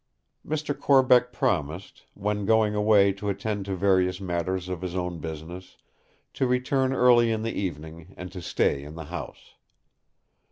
Mr. Corbeck promised, when going away to attend to various matters of his own business, to return early in the evening, and to stay in the house.